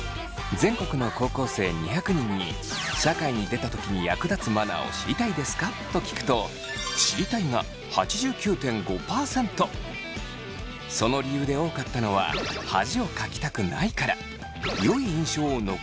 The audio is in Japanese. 全国の高校生２００人に社会に出た時に役立つマナーを知りたいですか？と聞くとその理由で多かったのはなどの声が。